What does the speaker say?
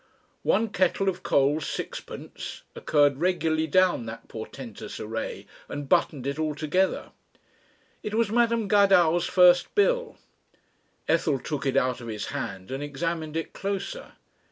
"1 kettle of coals 6d." occurred regularly down that portentous array and buttoned it all together. It was Madam Gadow's first bill. Ethel took it out of his hand and examined it closer.